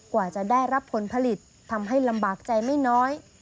กว่าจะได้รับผลผลิตทำให้ลำบากใจไม่น้อย